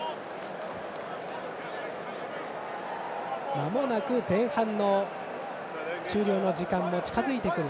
まもなく前半終了の時間も近づいてくる。